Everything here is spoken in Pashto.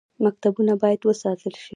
مکتبونه باید وساتل شي